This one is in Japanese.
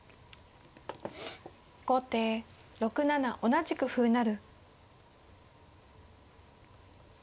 後手６七同じく歩成。